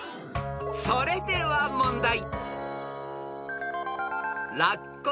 ［それでは問題］